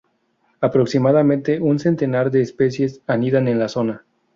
Aproximadamente un centenar de especies anidan en la zona.